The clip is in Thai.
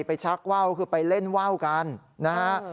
ชักว่าวคือไปเล่นว่าวกันนะฮะ